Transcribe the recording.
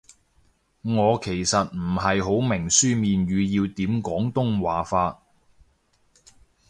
我其實唔係好明書面語要點廣東話法